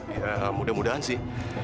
ya mudah mudahan sih